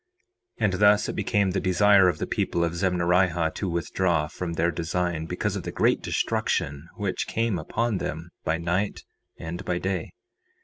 4:22 And thus it became the desire of the people of Zemnarihah to withdraw from their design, because of the great destruction which came upon them by night and by day.